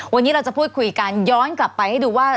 วันนี้เราจะพูดคุยกันย้อนกลับไปให้ดูว่า